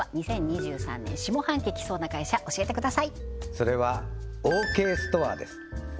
それはオーケーストアです